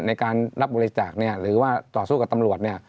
ในการรับบริจาคเนี่ยหรือว่าต่อสู้กับตำรวจเนี่ย